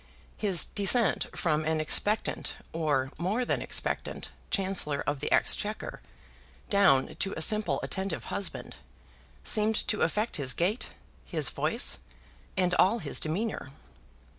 His descent from an expectant, or more than an expectant, Chancellor of the Exchequer, down to a simple, attentive husband, seemed to affect his gait, his voice, and all his demeanour.